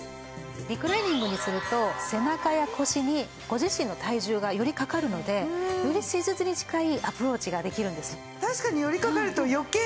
リクライニングにすると背中や腰にご自身の体重がよりかかるのでより施術に近いアプローチができるんです。